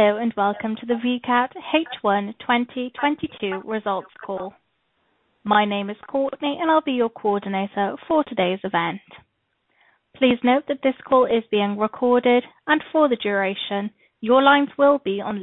Hello, and welcome to the Vicat H1 2022 results call. My name is Courtney, and I'll be your coordinator for today's event. Please note that this call is being recorded, and for the duration, your lines will be on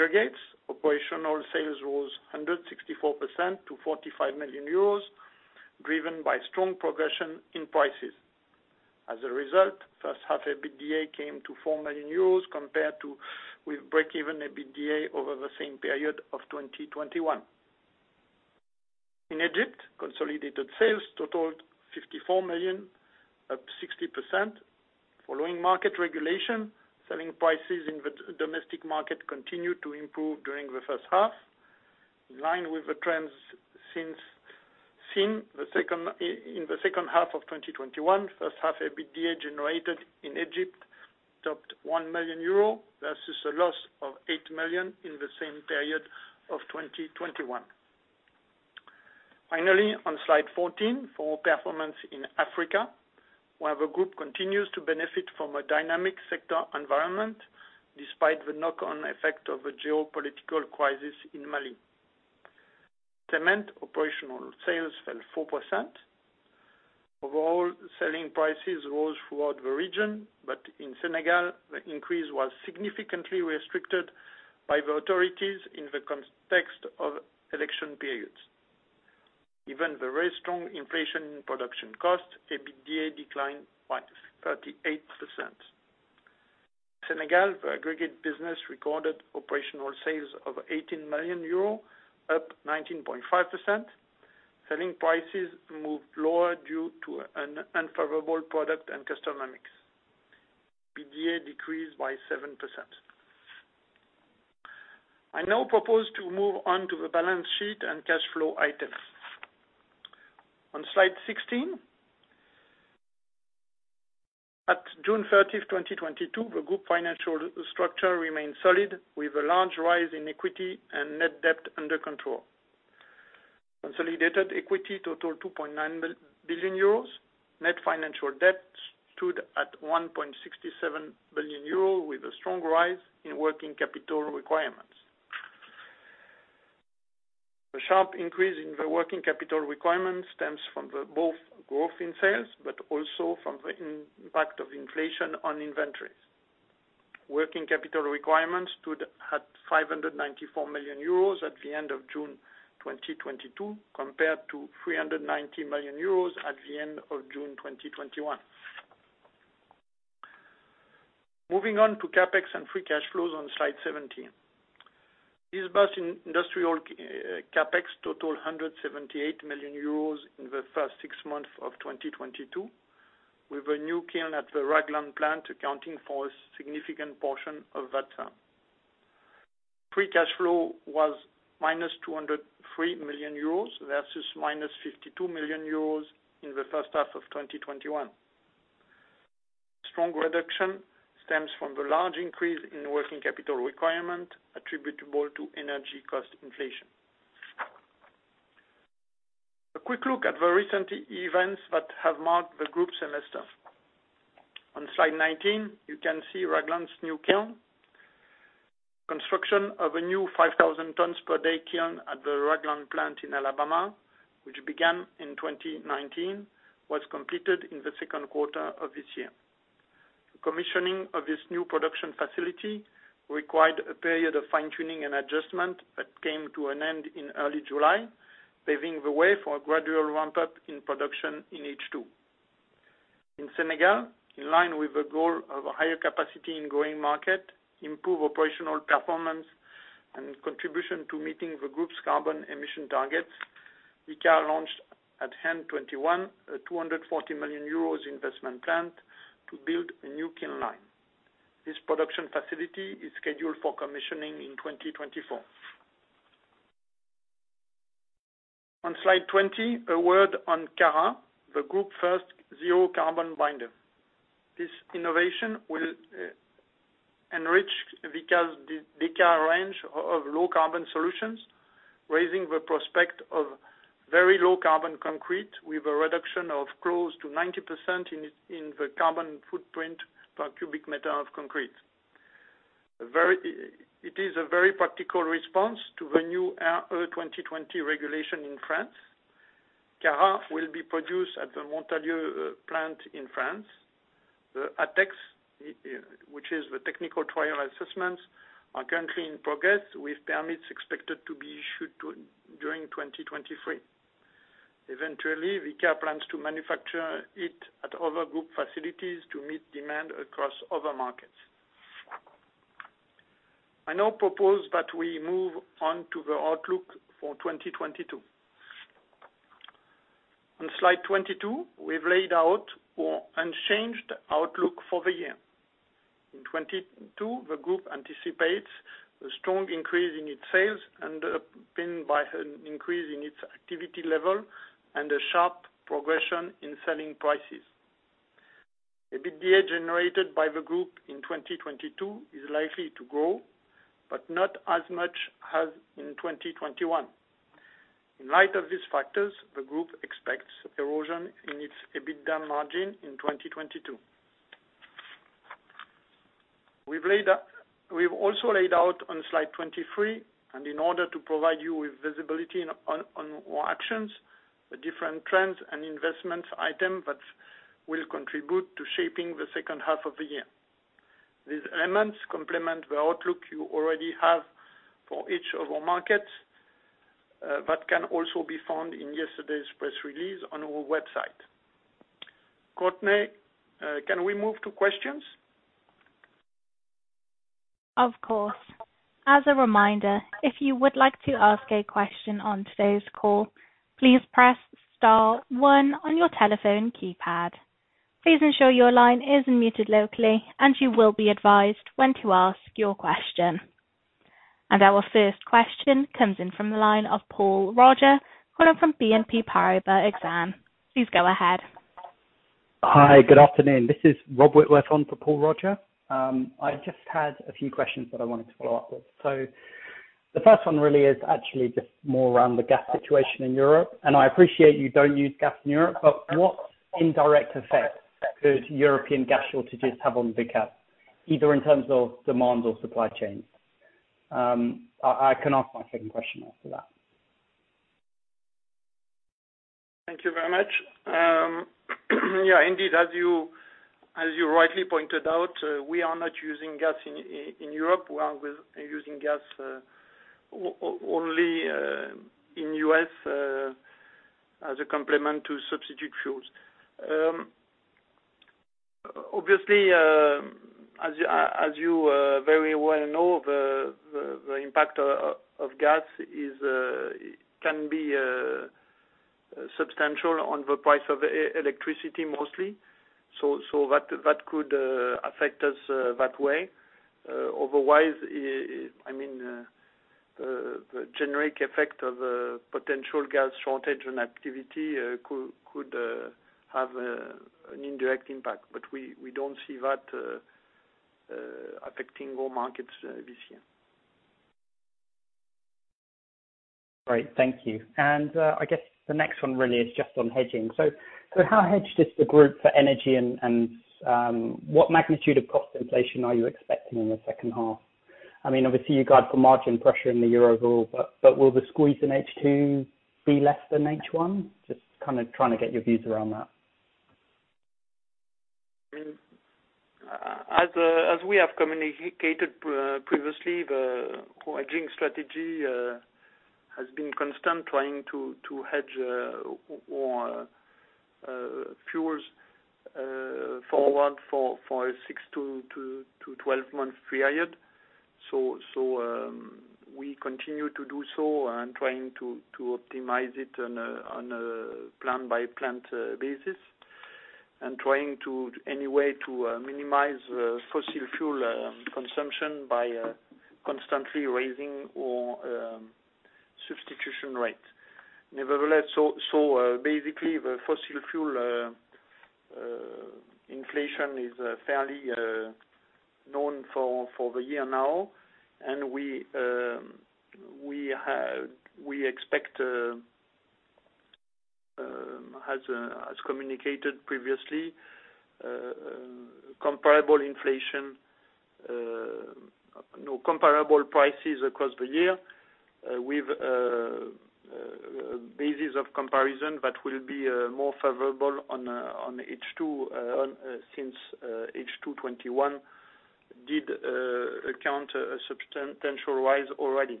listen-only.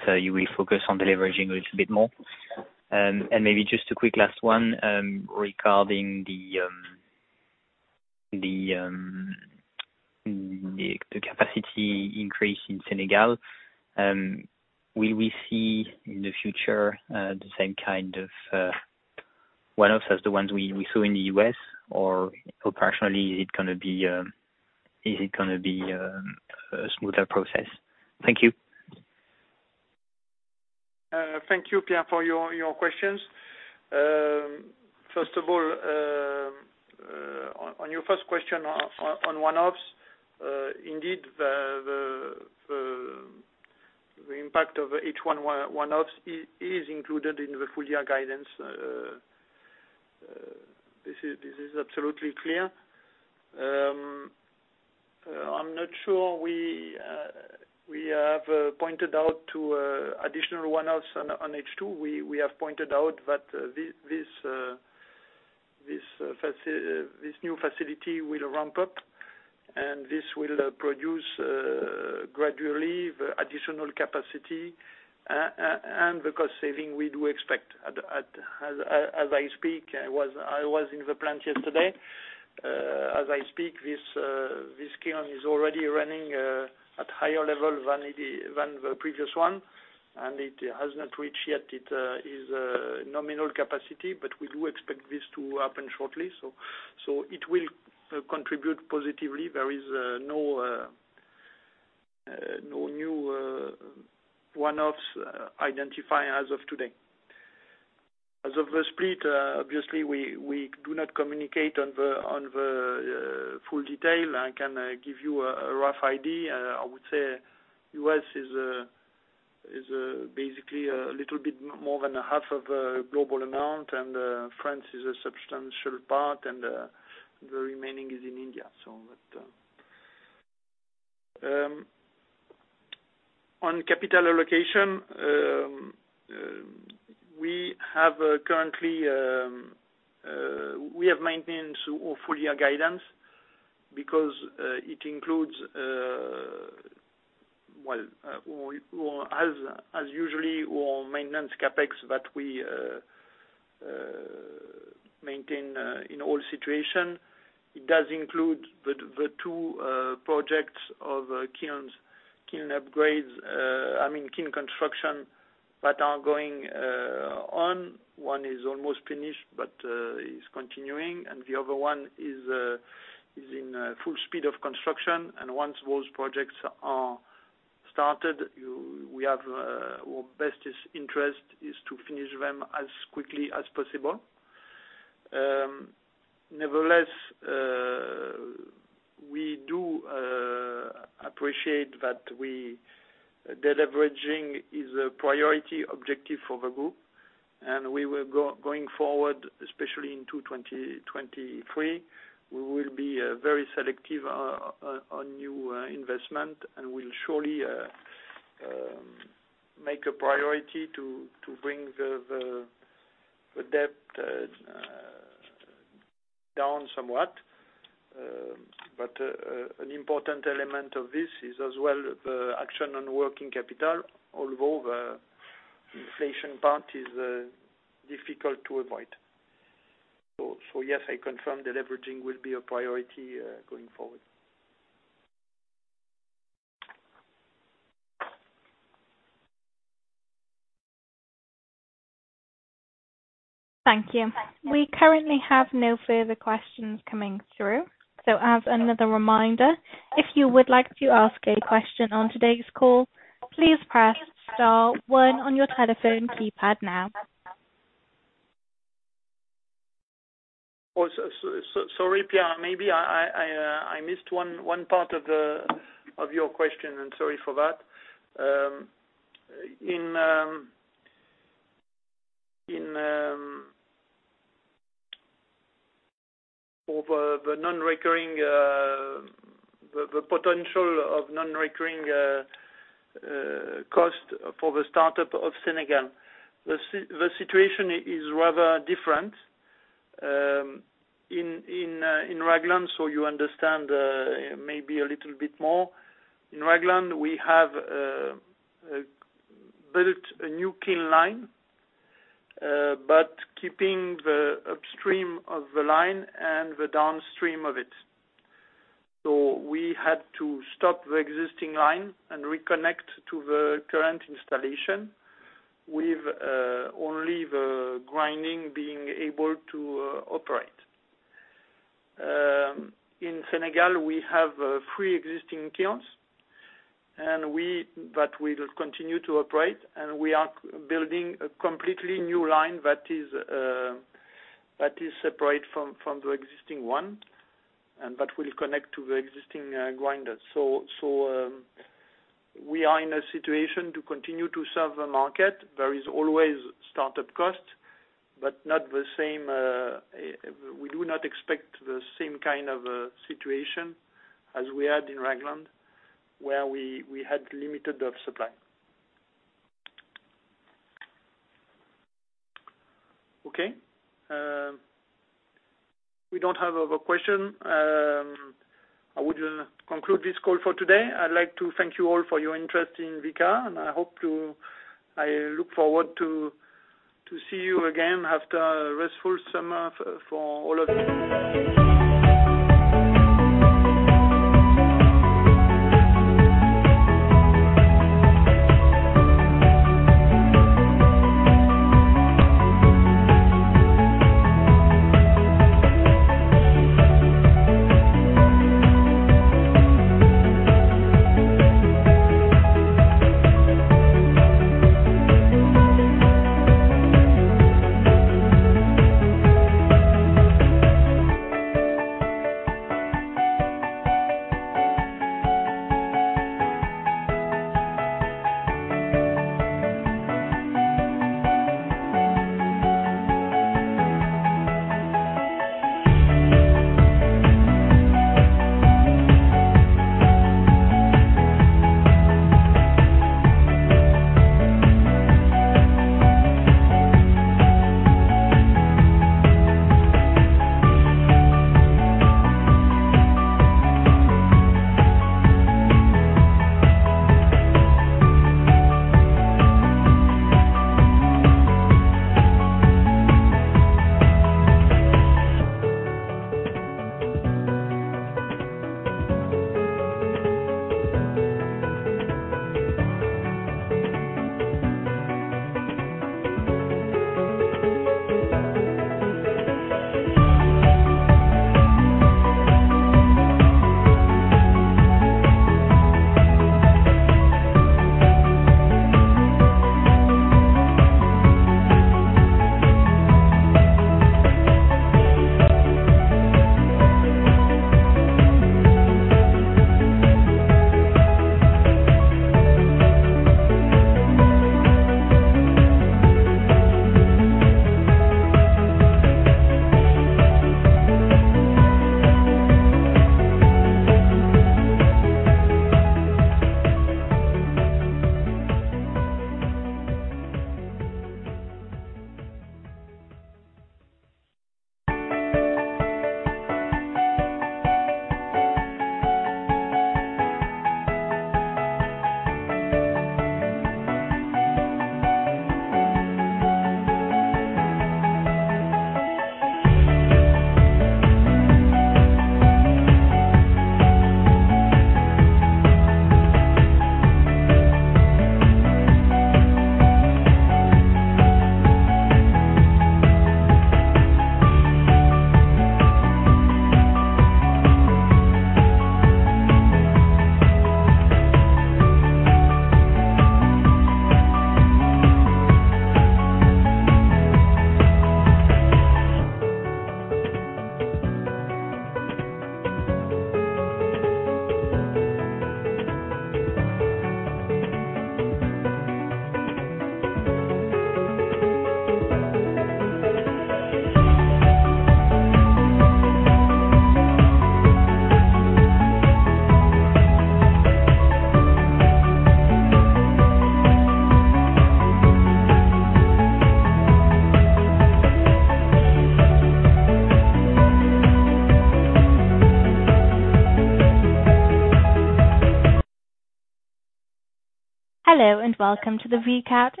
However, you will have the opportunity to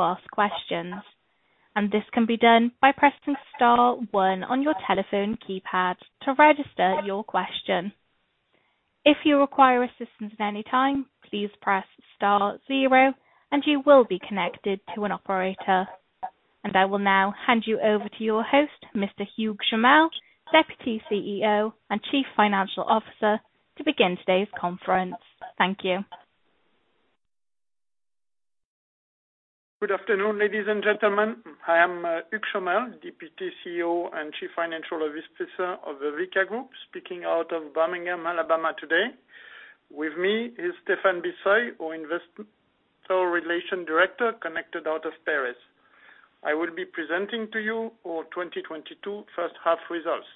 ask questions, and this can be done by pressing star one on your telephone keypad to register your question. If you require assistance at any time, please press star zero and you will be connected to an operator. I will now hand you over to your host, Mr. Hugues Chomel, Deputy CEO and Chief Financial Officer, to begin today's conference. Thank you. Good afternoon, ladies and gentlemen. I am Hugues Chomel, Deputy CEO and Chief Financial Officer of the Vicat Group, speaking out of Birmingham, Alabama today. With me is Stéphane Bisseuil, our Investor Relation Director, connected out of Paris. I will be presenting to you our 2022 first half results.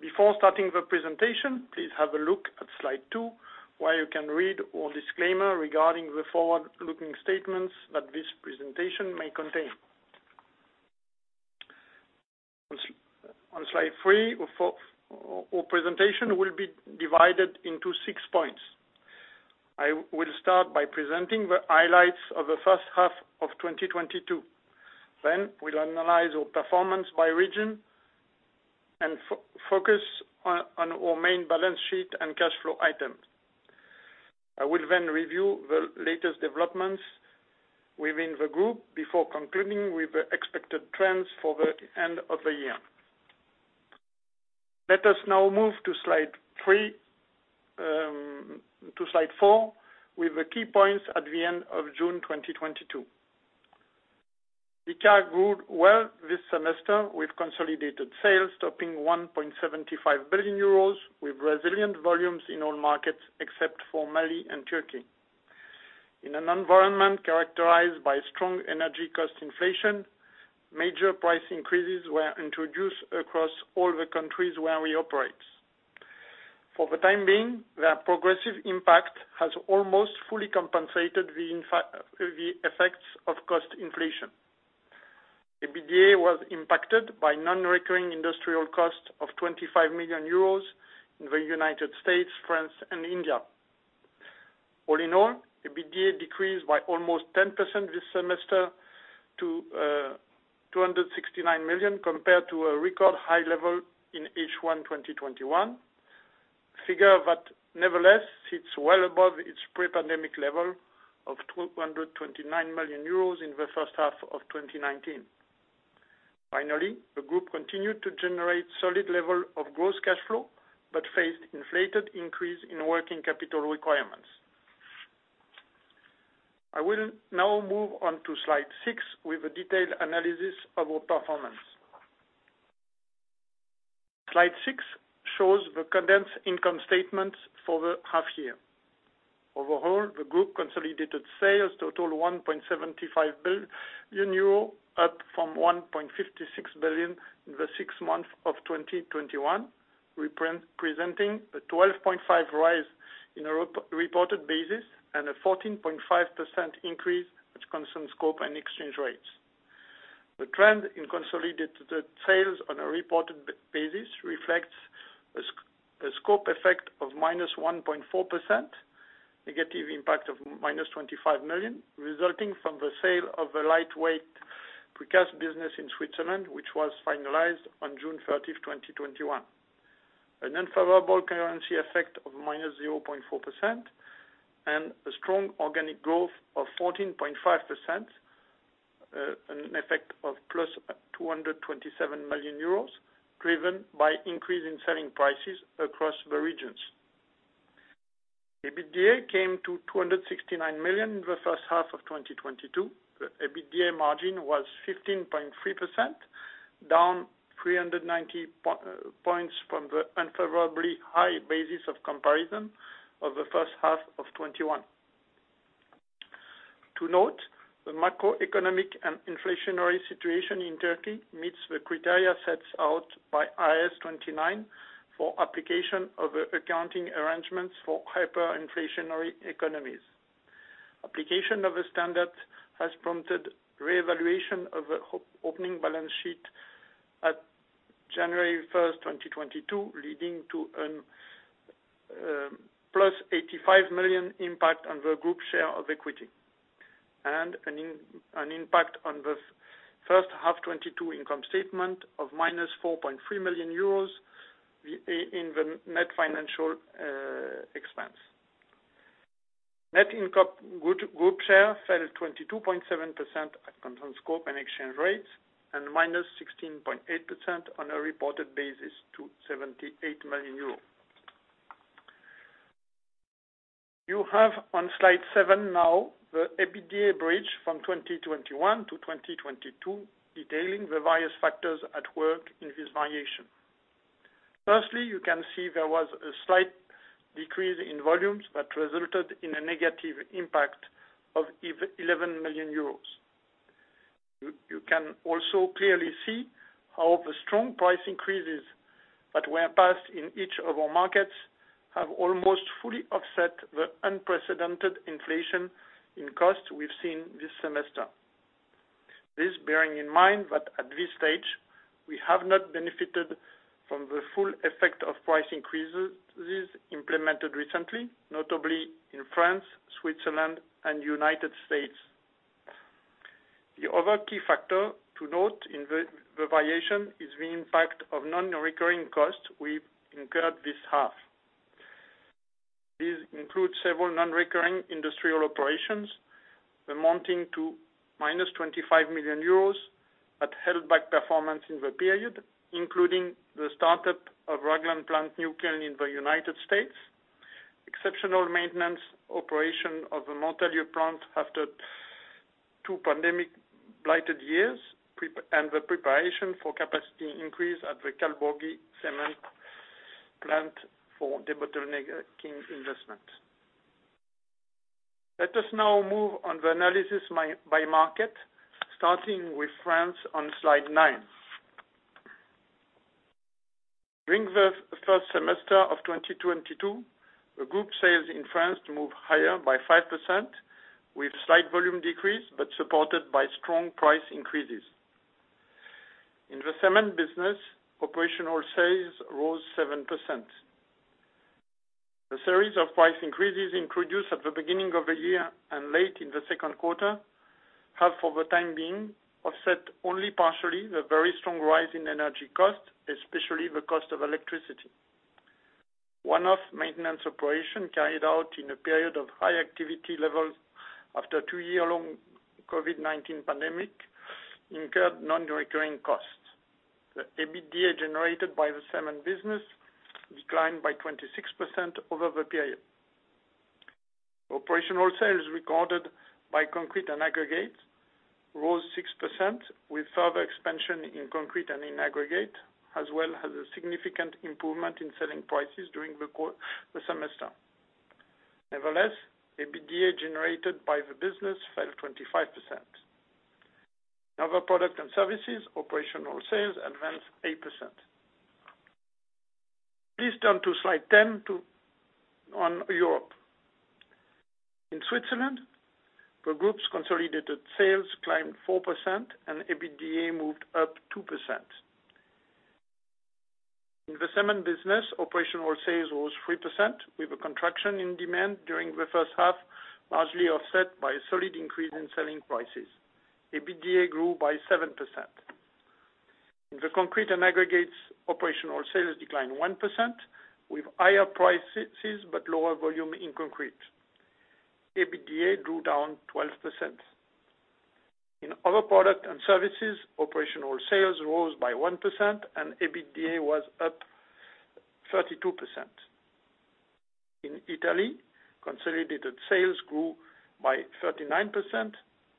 Before starting the presentation, please have a look at slide two, where you can read our disclaimer regarding the forward-looking statements that this presentation may contain. On slide three, our presentation will be divided into six points. I will start by presenting the highlights of the first half of 2022. Then we'll analyze our performance by region and focus on our main balance sheet and cash flow items. I will then review the latest developments within the group before concluding with the expected trends for the end of the year. Let us now move to slide three, to slide four with the key points at the end of June 2022. Vicat grew well this semester with consolidated sales topping 1.75 billion euros with resilient volumes in all markets except for Mali and Turkey. In an environment characterized by strong energy cost inflation, major price increases were introduced across all the countries where we operate. For the time being, their progressive impact has almost fully compensated the effects of cost inflation. EBITDA was impacted by non-recurring industrial costs of 25 million euros in the United States, France, and India. All in all, EBITDA decreased by almost 10% this semester to 269 million compared to a record high level in H1 2021. figure nevertheless sits well above its pre-pandemic level of 229 million euros in the first half of 2019. The group continued to generate solid level of gross cash flow, but faced inflated increase in working capital requirements. I will now move on to slide six with a detailed analysis of our performance. Slide six shows the condensed income statement for the half year. Overall, the group consolidated sales total 1.75 billion euro up from 1.56 billion in the six months of 2021, representing a 12.5% rise on a reported basis and a 14.5% increase at constant scope and exchange rates. The trend in consolidated sales on a reported basis reflects a scope effect of -1.4%, negative impact of -25 million, resulting from the sale of a lightweight precast business in Switzerland, which was finalized on June thirtieth, 2021. An unfavorable currency effect of -0.4% and a strong organic growth of 14.5%, an effect of +227 million euros, driven by increase in selling prices across the regions. EBITDA came to 269 million in the first half of 2022. The EBITDA margin was 15.3%, down 390 points from the unfavorably high basis of comparison of the first half of 2021. To note, the macroeconomic and inflationary situation in Turkey meets the criteria sets out by IAS 29 for application of accounting arrangements for hyperinflationary economies. Application of a standard has prompted reevaluation of opening balance sheet at January 1, 2022, leading to a +85 million impact on the group share of equity and an impact on the first half 2022 income statement of -4.3 million euros in the net financial expense. Net income group share fell at 22.7% at constant scope and exchange rates, and -16.8% on a reported basis to 78 million euros. You have on slide seven now the EBITDA bridge from 2021 to 2022, detailing the various factors at work in this variation. Firstly, you can see there was a slight decrease in volumes that resulted in a negative impact of 11 million euros. You can also clearly see how the strong price increases that were passed in each of our markets have almost fully offset the unprecedented inflation in cost we've seen this semester. Please bearing in mind that at this stage, we have not benefited from the full effect of price increases implemented recently, notably in France, Switzerland, and United States. The other key factor to note in the variation is the impact of non-recurring costs we've incurred this half. These include several non-recurring industrial operations amounting to -25 million euros that held back performance in the period, including the startup of Ragland plant new kiln in the United States, exceptional maintenance operation of the Montalieu plant after two pandemic-blighted years and the preparation for capacity increase at the Kalburgi Cement plant for the debottlenecking investment. Let us now move on to the analysis by market, starting with France on slide nine. During the first semester of 2022, the group sales in France moved higher by 5% with slight volume decrease, but supported by strong price increases. In the cement business, operational sales rose 7%. The series of price increases introduced at the beginning of the year and late in the second quarter have, for the time being, offset only partially the very strong rise in energy costs, especially the cost of electricity. One-off maintenance operation carried out in a period of high activity levels after two-year-long COVID-19 pandemic incurred non-recurring costs. The EBITDA generated by the cement business declined by 26% over the period. Operational sales recorded by concrete and aggregate rose 6% with further expansion in concrete and in aggregate, as well as a significant improvement in selling prices during the semester. Nevertheless, EBITDA generated by the business fell 25%. Other product and services, operational sales advanced 8%. Please turn to slide 10 on Europe. In Switzerland, the group's consolidated sales climbed 4% and EBITDA moved up 2%. In the cement business, operational sales rose 3% with a contraction in demand during the first half, largely offset by a solid increase in selling prices. EBITDA grew by 7%. In the concrete and aggregates, operational sales declined 1% with higher prices, but lower volume in concrete. EBITDA drew down 12%. In other product and services, operational sales rose by 1% and EBITDA was up 32%. In Italy, consolidated sales grew by 39%.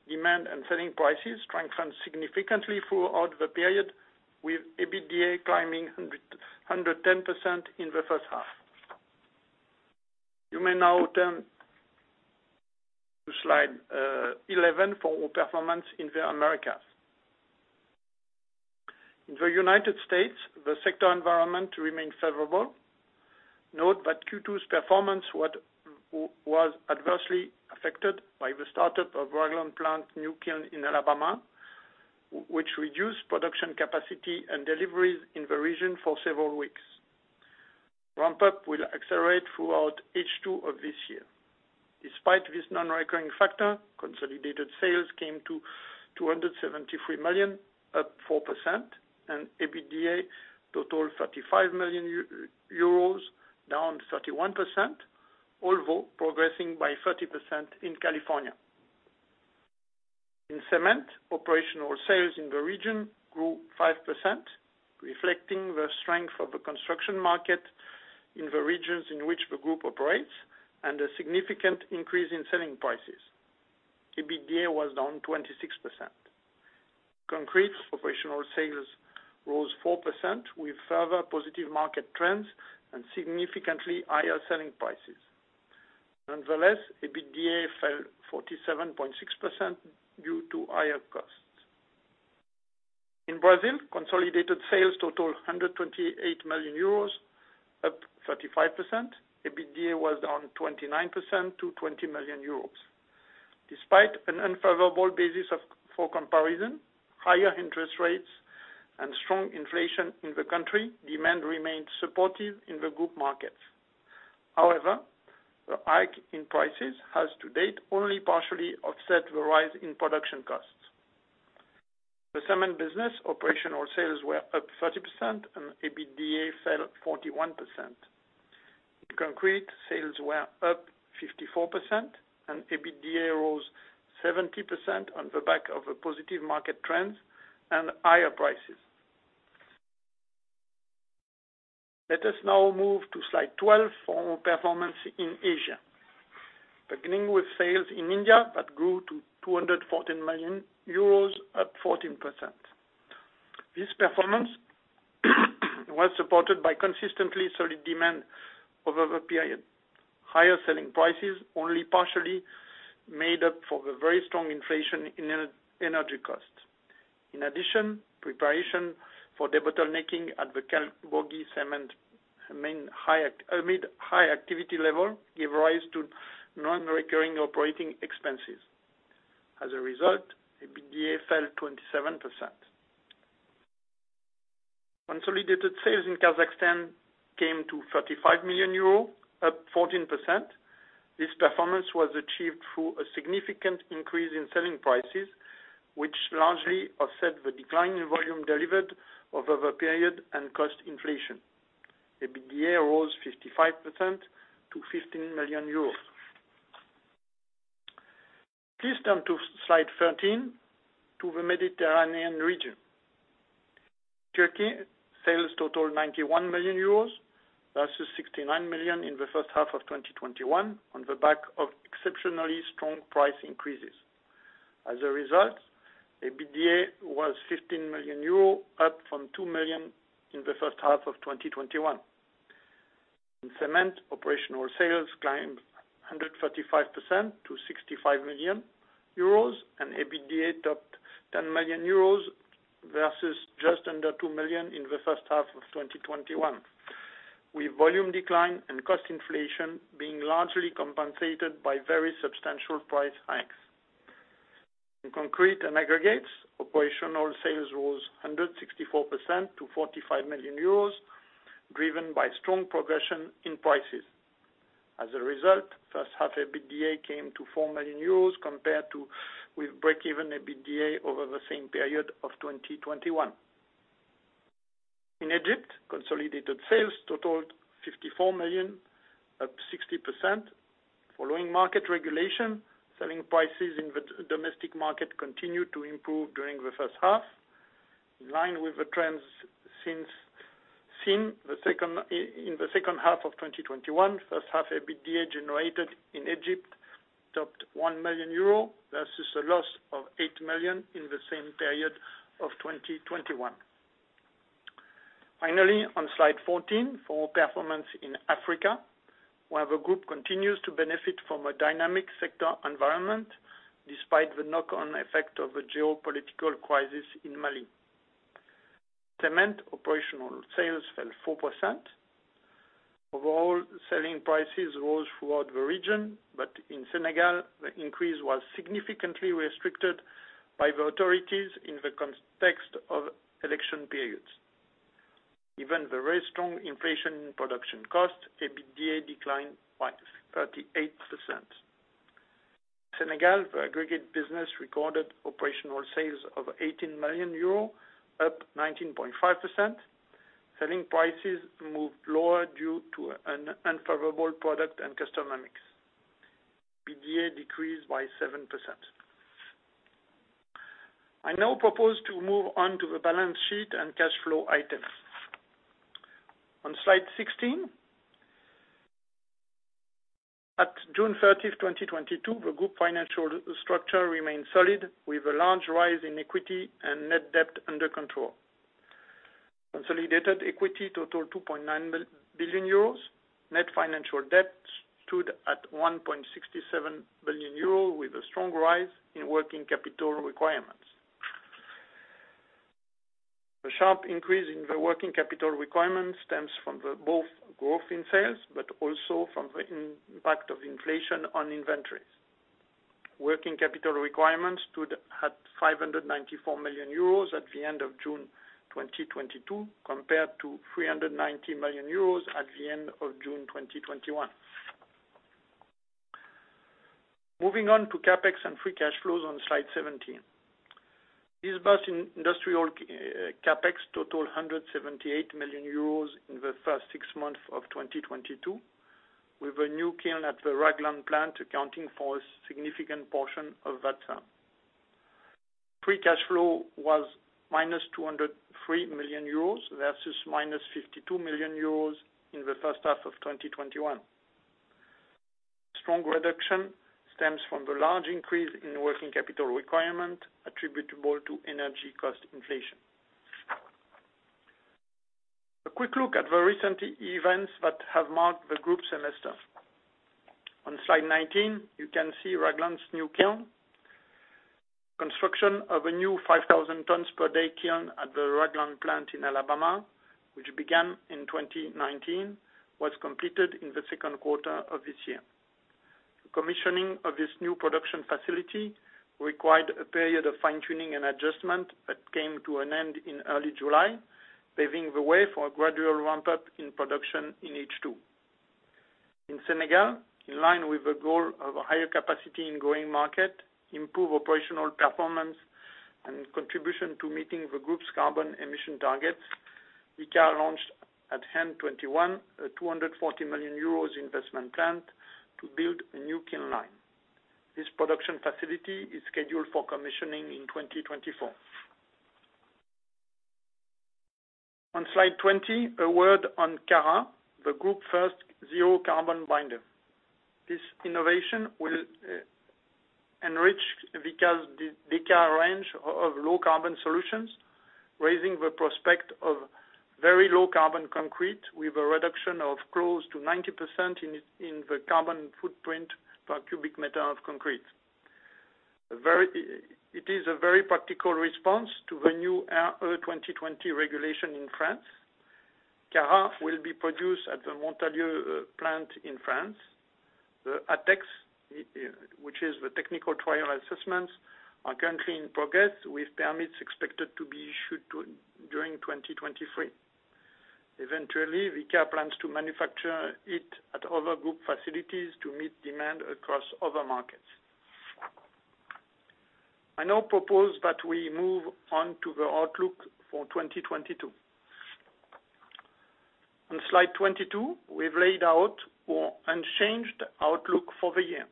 Demand and selling prices strengthened significantly throughout the period with EBITDA climbing 110% in the first half. You may now turn to slide 11 for our performance in the Americas. In the United States, the sector environment remained favorable. Note that Q2's performance was adversely affected by the startup of Ragland plant new kiln in Alabama, which reduced production capacity and deliveries in the region for several weeks. Ramp-up will accelerate throughout H2 of this year. Despite this non-recurring factor, consolidated sales came to 273 million, up 4%, and EBITDA totaled 35 million euros, down 31%, although progressing by 30% in California. In cement, operational sales in the region grew 5%, reflecting the strength of the construction market in the regions in which the group operates and a significant increase in selling prices. EBITDA was down 26%. Concrete operational sales rose 4% with further positive market trends and significantly higher selling prices. Nonetheless, EBITDA fell 47.6% due to higher costs. In Brazil, consolidated sales totaled 128 million euros, up 35%. EBITDA was down 29% to 20 million euros. Despite an unfavorable basis for comparison, higher interest rates and strong inflation in the country, demand remained supportive in the group markets. However, the hike in prices has to date only partially offset the rise in production costs. The cement business, operational sales were up 30% and EBITDA fell 41%. In concrete, sales were up 54% and EBITDA rose 70% on the back of the positive market trends and higher prices. Let us now move to slide 12 for our performance in Asia. Beginning with sales in India that grew to 214 million euros up 14%. This performance was supported by consistently solid demand over the period. Higher selling prices only partially made up for the very strong inflation in energy costs. In addition, preparation for debottlenecking at the Kalburgi Cement amid high activity level gave rise to non-recurring operating expenses. As a result, EBITDA fell 27%. Consolidated sales in Kazakhstan came to 35 million euro, up 14%. This performance was achieved through a significant increase in selling prices, which largely offset the decline in volume delivered over the period and cost inflation. EBITDA rose 55% to EUR 15 million. Please turn to slide 13 to the Mediterranean region. Turkey sales totaled 91 million euros versus 69 million in the first half of 2021 on the back of exceptionally strong price increases. As a result, EBITDA was 15 million euro up from 2 million in the first half of 2021. In cement, operational sales climbed 135% to 65 million euros and EBITDA topped 10 million euros versus just under 2 million in the first half of 2021, with volume decline and cost inflation being largely compensated by very substantial price hikes. In concrete and aggregates, operational sales rose 164% to 45 million euros, driven by strong progression in prices. As a result, first half EBITDA came to 4 million euros compared to with breakeven EBITDA over the same period of 2021. In Egypt, consolidated sales totaled 54 million, up 60%. Following market regulation, selling prices in the domestic market continued to improve during the first half. In line with the trends since seen in the second half of 2021, first half EBITDA generated in Egypt topped 1 million euro versus a loss of 8 million in the same period of 2021. Finally, on slide 14 for performance in Africa, where the group continues to benefit from a dynamic sector environment despite the knock-on effect of the geopolitical crisis in Mali. Cement operational sales fell 4%. Overall, selling prices rose throughout the region, but in Senegal, the increase was significantly restricted by the authorities in the context of election periods. Given the very strong inflation in production costs, EBITDA declined by 38%. In Senegal, the aggregate business recorded operational sales of 18 million euro, up 19.5%. Selling prices moved lower due to unfavorable product and customer mix. EBITDA decreased by 7%. I now propose to move on to the balance sheet and cash flow items. On slide 16. At June 30, 2022, the group financial structure remains solid with a large rise in equity and net debt under control. Consolidated equity totaled 2.9 billion euros. Net financial debt stood at 1.67 billion euros with a strong rise in working capital requirements. The sharp increase in the working capital requirements stems from both the growth in sales, but also from the impact of inflation on inventories. Working capital requirements stood at 594 million euros at the end of June 2022, compared to 390 million euros at the end of June 2021. Moving on to CapEx and free cash flows on slide 17. Industrial CapEx totaled 178 million euros in the first six months of 2022, with a new kiln at the Ragland plant accounting for a significant portion of that sum. Free cash flow was -203 million euros versus -52 million euros in the first half of 2021. Strong reduction stems from the large increase in working capital requirement attributable to energy cost inflation. Quick look at the recent events that have marked the group semester. On slide 19, you can see Ragland's new kiln. Construction of a new 5,000 tons per day kiln at the Ragland plant in Alabama, which began in 2019, was completed in the second quarter of this year. Commissioning of this new production facility required a period of fine-tuning and adjustment that came to an end in early July, paving the way for a gradual ramp-up in production in H2. In Senegal, in line with the goal of a higher capacity in growing market, improve operational performance and contribution to meeting the group's carbon emission targets, Vicat launched in H1 2021, a 240 million euros investment plan to build a new kiln line. This production facility is scheduled for commissioning in 2024. On slide 20, a word on Carat, the group's first zero-carbon binder. This innovation will enrich the Vicat range of low carbon solutions, raising the prospect of very low carbon concrete with a reduction of close to 90% in the carbon footprint per cubic meter of concrete. It is a very practical response to the new RE2020 regulation in France. Carat will be produced at the Montalieu plant in France. The ATEX, which is the Technical Trial Assessments, are currently in progress with permits expected to be issued during 2023. Eventually, Vicat plans to manufacture it at other group facilities to meet demand across other markets. I now propose that we move on to the outlook for 2022. On slide 22, we've laid out our unchanged outlook for the year.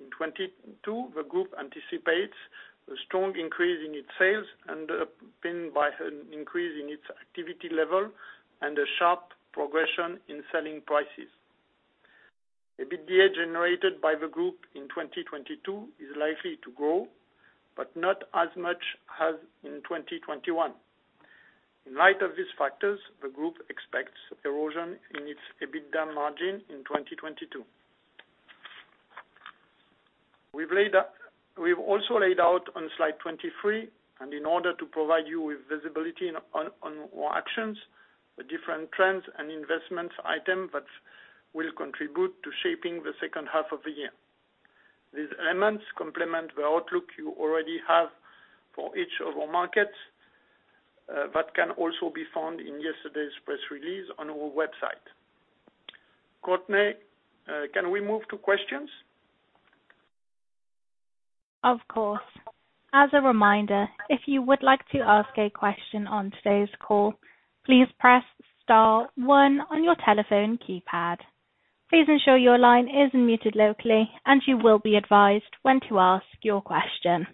In 2022, the group anticipates a strong increase in its sales and pinned by an increase in its activity level and a sharp progression in selling prices. EBITDA generated by the group in 2022 is likely to grow, but not as much as in 2021. In light of these factors, the group expects erosion in its EBITDA margin in 2022. We've also laid out on slide 23, and in order to provide you with visibility on our actions, the different trends and investments item that will contribute to shaping the second half of the year. These elements complement the outlook you already have for each of our markets, that can also be found in yesterday's press release on our website. Courtney, can we move to questions? Of course. As a reminder, if you would like to ask a question on today's call, please press star one on your telephone keypad. Please ensure your line is unmuted locally and you will be advised when to ask your question.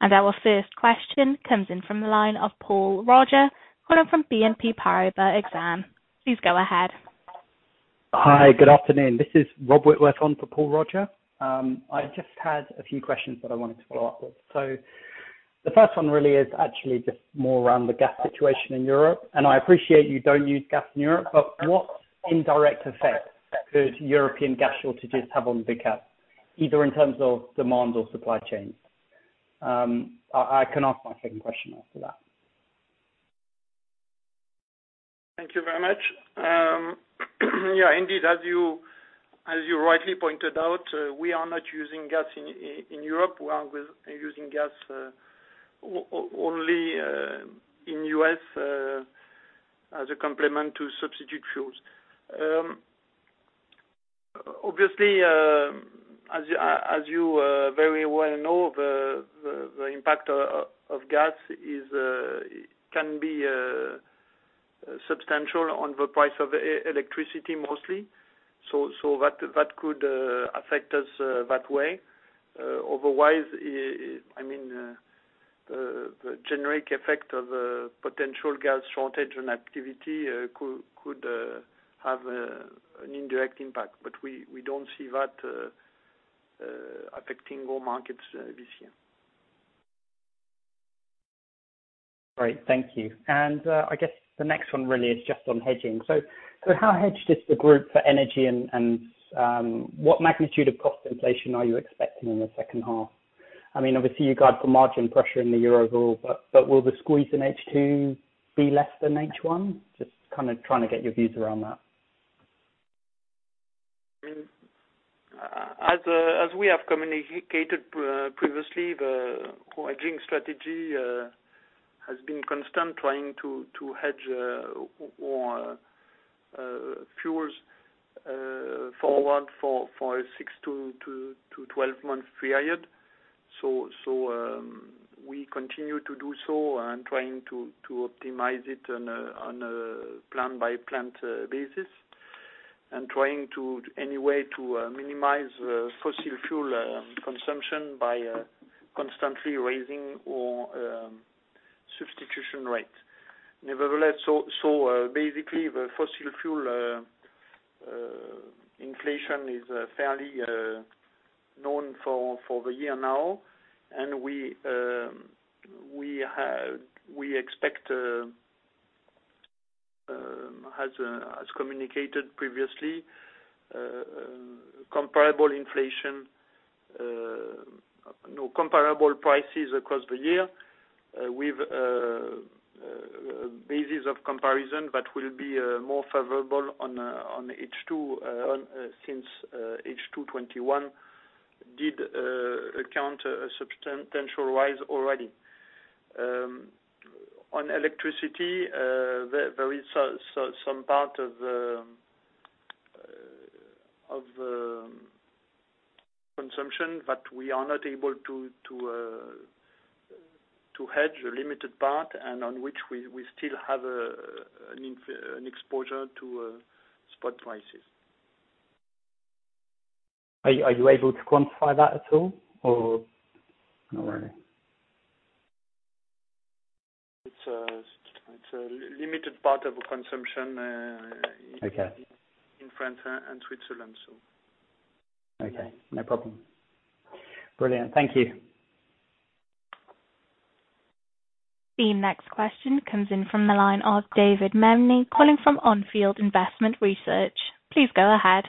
Our first question comes in from the line of Paul Roger, calling from BNP Paribas Exane. Please go ahead. Hi, good afternoon. This is Rob Whitworth on for Paul Roger. I just had a few questions that I wanted to follow up with. The first one really is actually just more around the gas situation in Europe. I appreciate you don't use gas in Europe, but what indirect effect could European gas shortages have on Vicat, either in terms of demand or supply chain? I can ask my second question after that. Thank you very much. Yeah, indeed, as you rightly pointed out, we are not using gas in Europe. We are using gas only in U.S. as a complement to substitute fuels. Obviously, as you very well know, the impact of gas can be substantial on the price of electricity mostly. That could affect us that way. Otherwise, I mean, the generic effect of potential gas shortage on activity could have an indirect impact, but we don't see that affecting our markets this year. Great. Thank you. I guess the next one really is just on hedging. How hedged is the group for energy and what magnitude of cost inflation are you expecting in the second half? I mean, obviously you guide for margin pressure in the year overall, but will the squeeze in H2 be less than H1? Just kind of trying to get your views around that. We have communicated previously, the hedging strategy has been constant trying to hedge our fuels forward for a six- to 12-month period. We continue to do so and trying to optimize it on a plant-by-plant basis, and trying in any way to minimize fossil fuel consumption by constantly raising our substitution rate. Nevertheless, basically, the fossil fuel inflation is fairly known for the year now. We expect, as communicated previously, comparable inflation now comparable prices across the year, with basis of comparison that will be more favorable on H2, since H2 2021 did account a substantial rise already. On electricity, there is some part of consumption that we are not able to hedge, a limited part, and on which we still have an exposure to spot prices. Are you able to quantify that at all or not really? It's a limited part of our consumption. Okay. in France and Switzerland. Okay, no problem. Brilliant. Thank you. The next question comes in from the line of David Memni, calling from Onfield Investment Research. Please go ahead.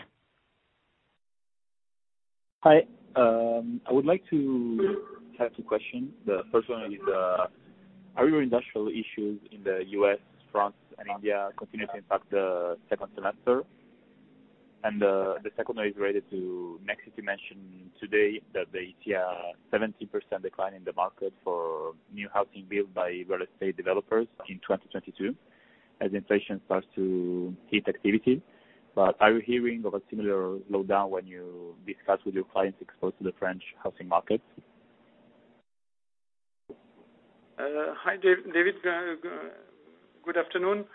Hi, I would like to have two questions. The first one is, are your industrial issues in the US, France, and India continue to impact the second semester? The second one is related to Nexity you mentioned today that they see a 70% decline in the market for new housing built by real estate developers in 2022 as inflation starts to hit activity. Are you hearing of a similar slowdown when you discuss with your clients exposed to the French housing markets? Hi, David. Good afternoon.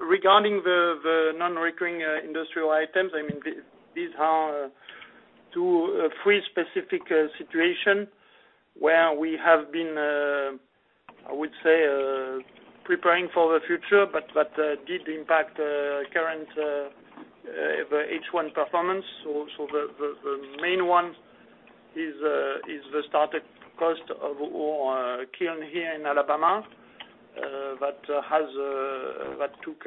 Regarding the non-recurring industrial items, I mean, these are two, three specific situations where we have been, I would say, preparing for the future, but did impact the current H1 performance. The main one is the startup cost of our kiln here in Alabama that took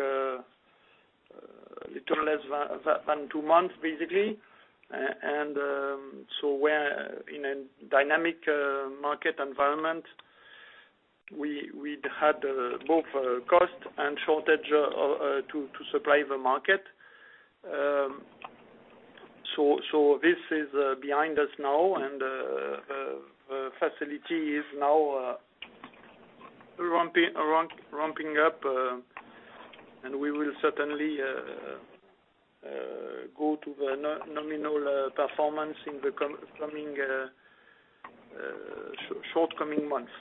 little less than two months, basically. We're in a dynamic market environment, we had both cost and shortage to supply the market. This is behind us now and the facility is now ramping up and we will certainly go to the nominal performance in the coming months.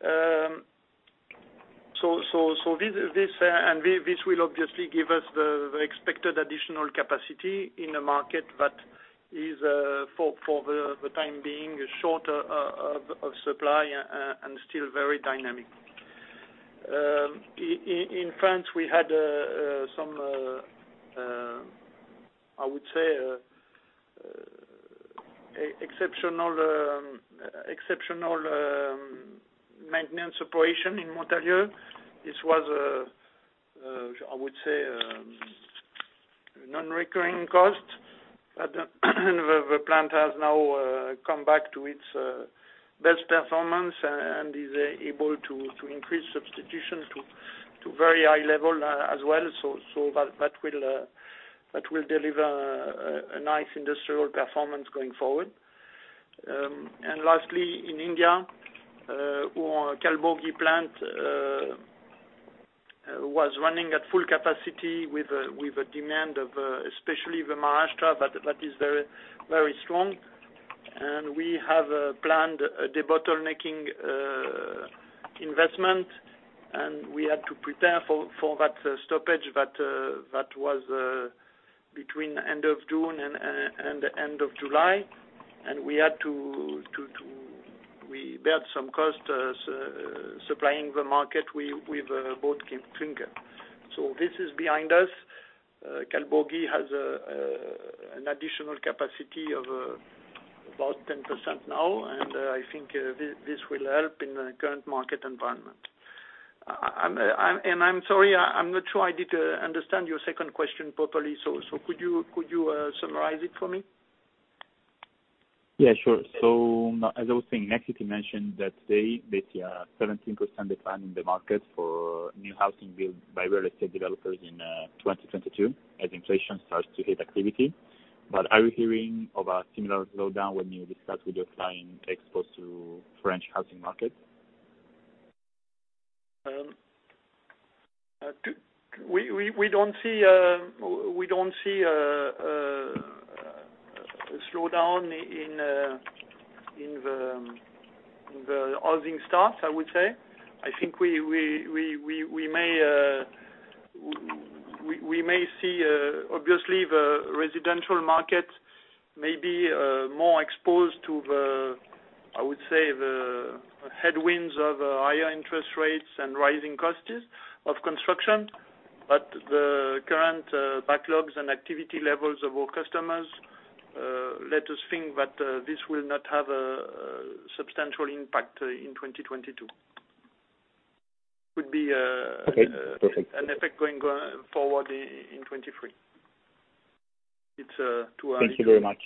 This and this will obviously give us the expected additional capacity in a market that is for the time being short of supply and still very dynamic. In France, we had some I would say exceptional maintenance operation in Montalieu. This was I would say non-recurring costs, but the plant has now come back to its best performance and is able to increase substitution to very high level as well. That will deliver a nice industrial performance going forward. Lastly, in India, our Kalburgi plant was running at full capacity with a demand of especially the Maharashtra, but that is very strong. We have planned the debottlenecking investment, and we had to prepare for that stoppage that was between end of June and the end of July. We had to bear some costs supplying the market with bulk clinker. This is behind us. Kalburgi has an additional capacity of about 10% now, and I think this will help in the current market environment. I'm sorry, I'm not sure I did understand your second question properly. Could you summarize it for me? Yeah, sure. As I was saying, Nexity mentioned that today they see a 17% decline in the market for new housing built by real estate developers in 2022 as inflation starts to hit activity. Are you hearing of a similar slowdown when you discuss with your clients exposed to French housing markets? We don't see a slowdown in the housing starts, I would say. I think we may see, obviously the residential market may be more exposed to, I would say, the headwinds of higher interest rates and rising costs of construction. The current backlogs and activity levels of our customers let us think that this will not have a substantial impact in 2022. Okay. Perfect. an effect going forward in 2023. It's too early to say. Thank you very much.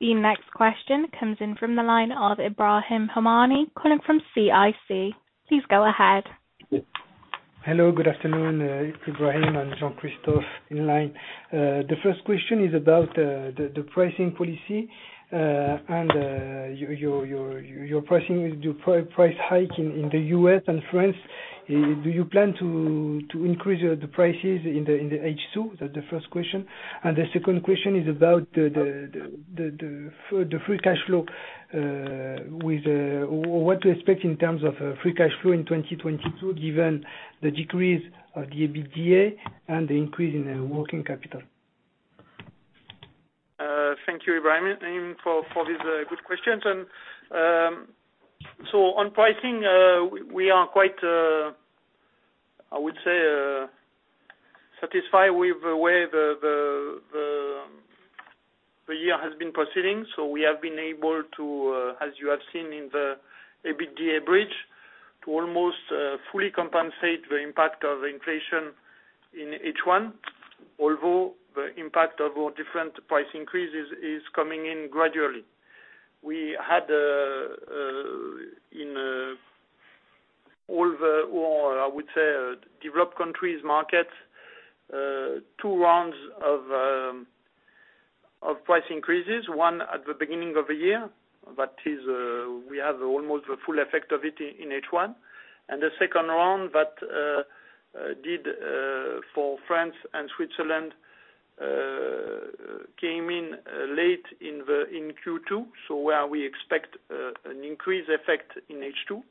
The next question comes in from the line of Ibrahim Houmani, calling from CIC. Please go ahead. Hello, good afternoon, Ibrahim and Jean-Christophe in line. The first question is about the pricing policy and your price hike in the U.S. and France. Do you plan to increase the prices in the H2? That's the first question. The second question is about the free cash flow, with what to expect in terms of free cash flow in 2022, given the decrease of the EBITDA and the increase in the working capital? Thank you, Ibrahim, for these good questions. On pricing, we are quite, I would say, satisfied with the way the year has been proceeding. We have been able to, as you have seen in the EBITDA bridge, to almost fully compensate the impact of inflation in H1 although the impact of our different price increases is coming in gradually. We had in all, or I would say, developed countries markets two rounds of price increases, one at the beginning of the year. That is, we have almost the full effect of it in H1. The second round that did for France and Switzerland came in late in Q2, so we expect an increased effect in H2,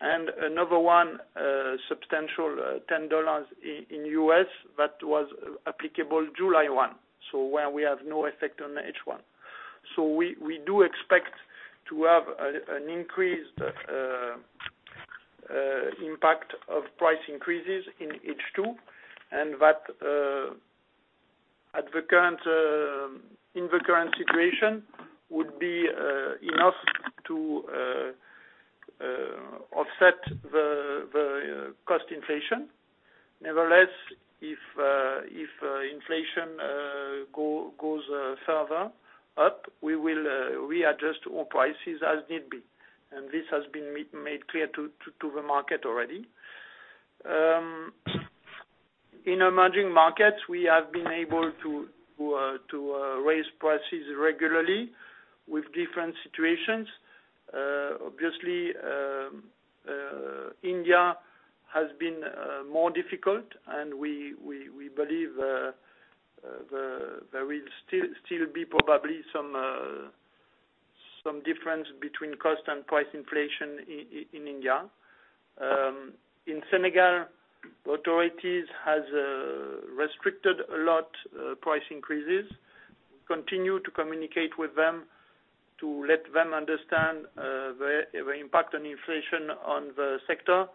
and another one substantial $10 in US that was applicable July 1. We have no effect on H1. We do expect to have an increased impact of price increases in H2, and that at the current in the current situation would be enough to offset the cost inflation. Nevertheless, if inflation goes further up, we will readjust our prices as need be. This has been made clear to the market already. In emerging markets, we have been able to raise prices regularly with different situations. Obviously, India has been more difficult and we believe there will still be probably some difference between cost and price inflation in India. In Senegal, authorities has restricted a lot price increases. We continue to communicate with them to let them understand the impact on inflation on the sector.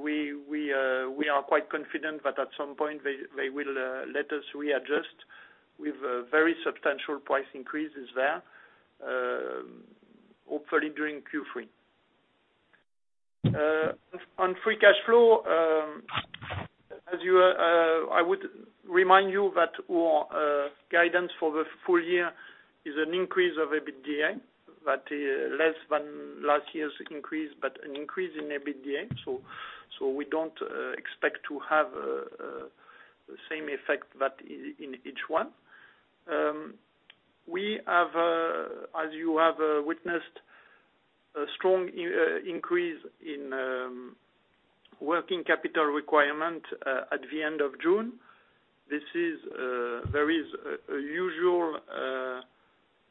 We are quite confident that at some point they will let us readjust with very substantial price increases there, hopefully during Q3. On free cash flow, as I would remind you that our guidance for the full year is an increase of EBITDA, but less than last year's increase, but an increase in EBITDA. We don't expect to have the same effect that in H1. We have, as you have witnessed, a strong increase in working capital requirement at the end of June. This is. There is a usual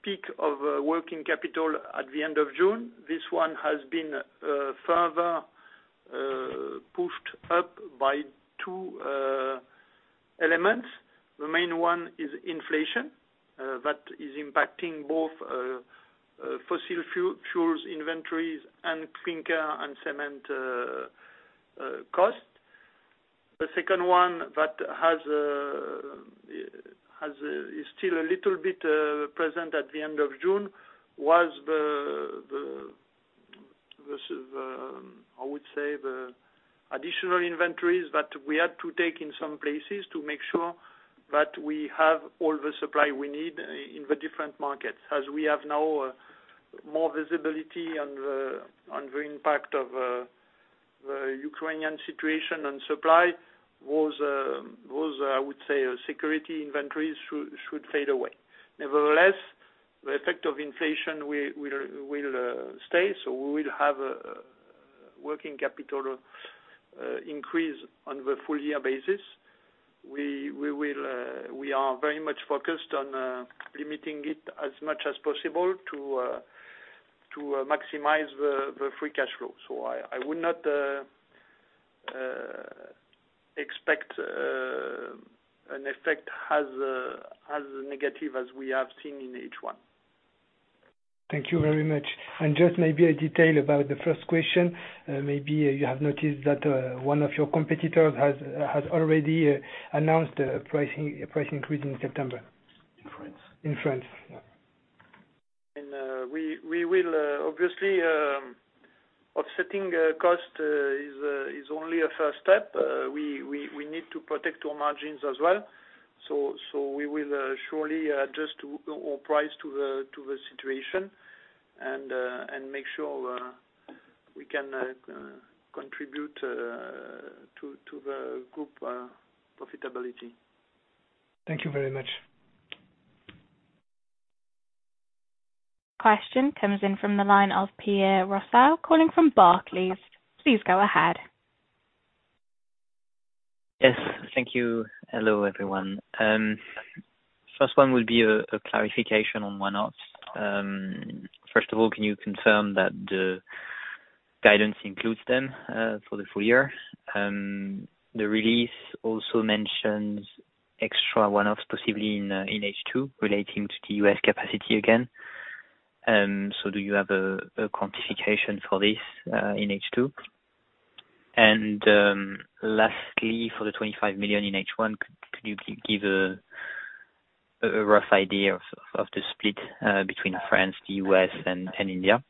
peak of working capital at the end of June. This one has been further pushed up by two elements. The main one is inflation that is impacting both fossil fuels inventories and clinker and cement costs. The second one that has is still a little bit present at the end of June was the I would say the additional inventories that we had to take in some places to make sure that we have all the supply we need in the different markets. As we have now more visibility on the impact of the Ukrainian situation on supply, those I would say security inventories should fade away. Nevertheless, the effect of inflation will stay, so we will have working capital increase on the full year basis. We are very much focused on limiting it as much as possible to maximize the free cash flow. I would not expect an effect as negative as we have seen in H1. Thank you very much. Just maybe a detail about the first question, maybe you have noticed that one of your competitors has already announced a price increase in September. In France. In France, yeah. Offsetting costs is only a first step. We need to protect our margins as well. We will surely adjust our prices to the situation and make sure we can contribute to the group's profitability. Thank you very much. Question comes in from the line of Pierre Rousseau calling from Barclays. Please go ahead. Yes. Thank you. Hello, everyone. First one will be a clarification on One Arts. First of all, can you confirm that the guidance includes them for the full year? The release also mentions extra one-offs possibly in H2 relating to the U.S. capacity again. Do you have a quantification for this in H2? Lastly, for the 25 million in H1, could you give a rough idea of the split between France, the U.S., and India?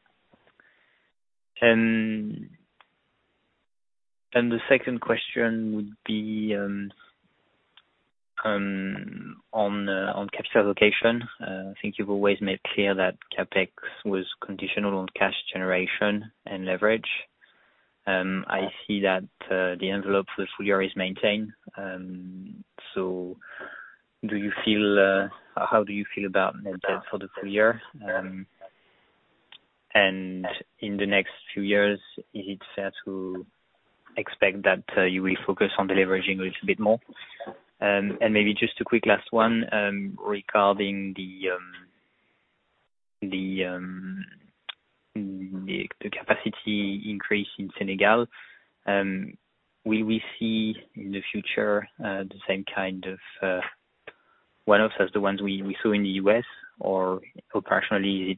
The second question would be on capital allocation. I think you've always made clear that CapEx was conditional on cash generation and leverage. I see that the envelope for the full year is maintained. How do you feel about net debt for the full year? In the next few years, is it fair to expect that you will focus on the deleveraging a little bit more? Maybe just a quick last one, regarding the capacity increase in Senegal, will we see in the future the same kind of one-offs as the ones we saw in the U.S. or operationally is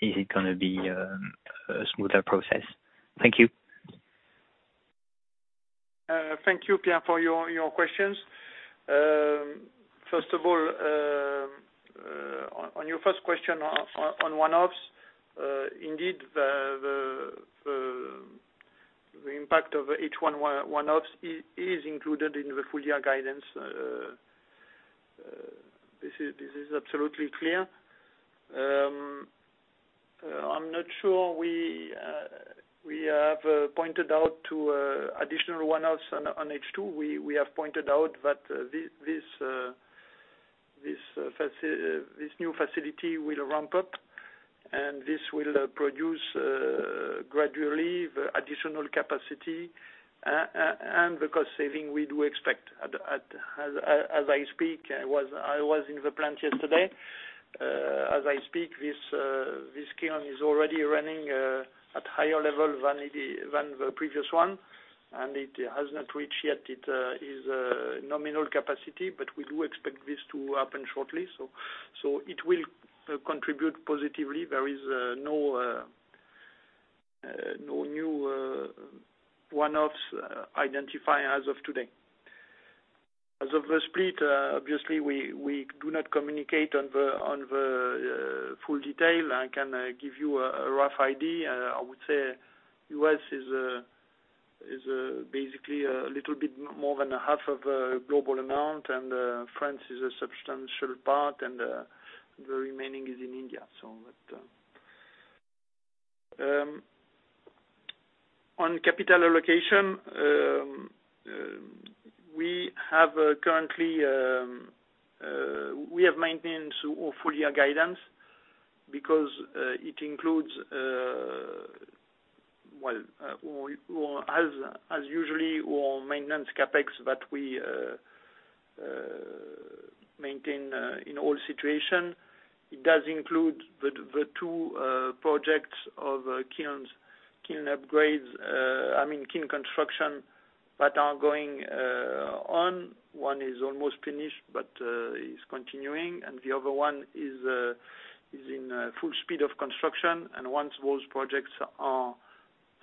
it gonna be a smoother process? Thank you. Thank you, Pierre, for your questions. First of all, on your first question on one-offs, indeed, the impact of each one-offs is included in the full year guidance. This is absolutely clear. I'm not sure we have pointed out to additional one-offs on H2. We have pointed out that this new facility will ramp up, and this will produce gradually the additional capacity, and the cost saving we do expect at. As I speak, I was in the plant yesterday. As I speak, this kiln is already running at higher level than the previous one, and it has not reached yet its nominal capacity, but we do expect this to happen shortly. It will contribute positively. There is no new one-offs identified as of today. As of the split, obviously we do not communicate on the full detail. I can give you a rough idea. I would say U.S. is basically a little bit more than a half of global amount and France is a substantial part and the remaining is in India. With that. On capital allocation, we have currently maintained our full-year guidance because it includes, well, as usual, our maintenance CapEx that we maintain in all situations. It does include the two projects of kilns, kiln upgrades, I mean kiln construction that are going on. One is almost finished, but is continuing, and the other one is in full speed of construction. Once those projects are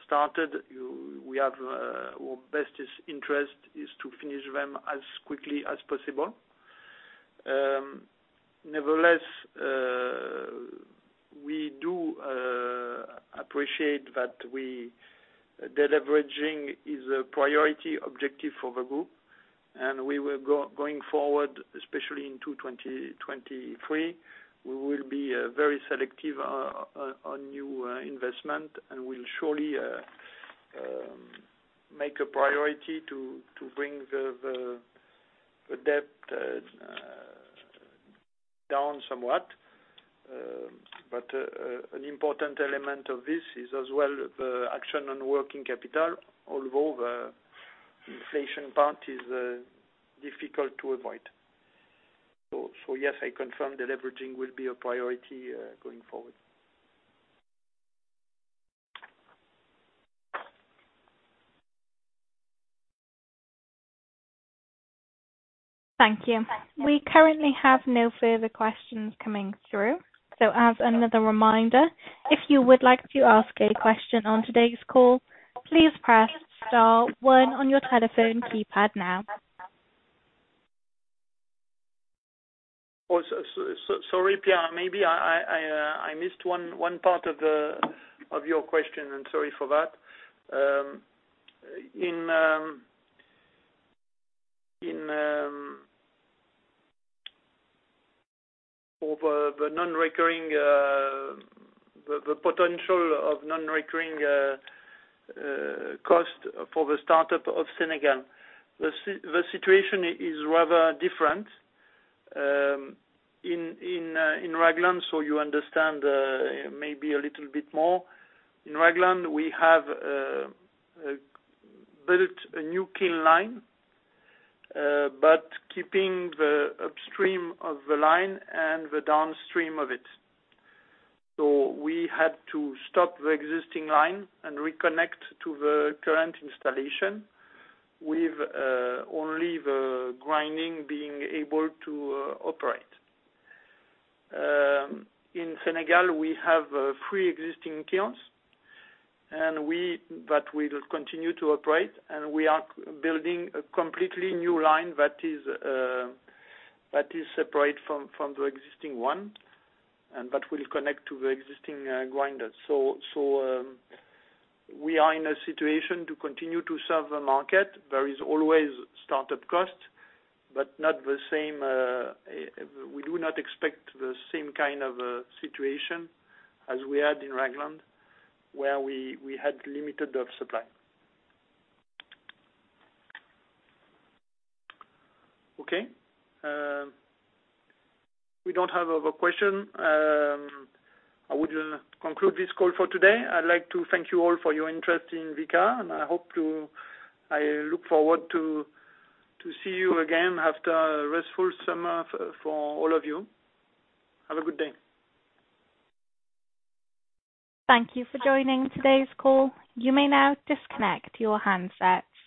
started, our best interest is to finish them as quickly as possible. Nevertheless, we appreciate that leverage is a priority objective for the group and going forward, especially into 2023, we will be very selective on new investment and we'll surely make a priority to bring the debt down somewhat. An important element of this is as well the action on working capital, although the inflation part is difficult to avoid. Yes, I confirm that leverage will be a priority going forward. Thank you. We currently have no further questions coming through, so as another reminder, if you would like to ask a question on today's call, please press star one on your telephone keypad now. Oh, sorry, Pierre, maybe I missed one part of your question, and sorry for that. In for the non-recurring, the potential of non-recurring cost for the startup of Senegal, the situation is rather different in Ragland, so you understand maybe a little bit more. In Ragland, we have built a new kiln line, but keeping the upstream of the line and the downstream of it. We had to stop the existing line and reconnect to the current installation with only the grinding being able to operate. In Senegal, we have three existing kilns and we. that we will continue to operate, and we are building a completely new line that is separate from the existing one and that will connect to the existing grinder. We are in a situation to continue to serve the market. There is always start-up costs, but not the same. We do not expect the same kind of situation as we had in Ragland, where we had limited the supply. Okay. We don't have other question. I would conclude this call for today. I'd like to thank you all for your interest in Vicat, and I hope to I look forward see you again after a restful summer for all of you. Have a good day. Thank you for joining today's call. You may now disconnect your handsets.